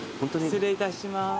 失礼いたします。